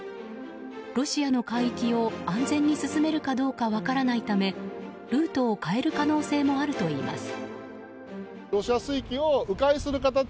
ロシアの海域を安全に進めるかどうか分からないためルートを変える可能性もあるといいます。